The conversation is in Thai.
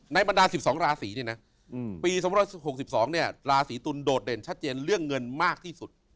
บรรดา๑๒ราศีเนี่ยนะปี๒๖๒เนี่ยราศีตุลโดดเด่นชัดเจนเรื่องเงินมากที่สุด